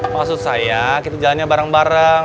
maksud saya kita jalannya bareng bareng